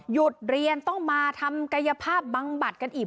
หยุดเรียนต้องมาทำกายภาพบำบัดกันอีก